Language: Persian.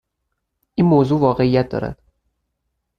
این موضوع واقعیت دارد.